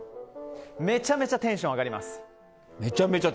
めちゃめちゃテンション上がります。